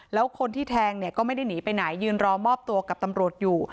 แล้วคนที่แทงเนี่ยก็ไม่ได้หนีไปไหนยืนรอมอบตัวกับตำรวจอยู่